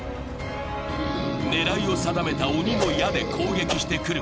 狙いを定めた鬼の矢で攻撃してくる。